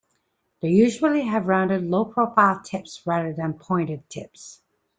They usually have rounded, low-profile tips rather than pointed tips.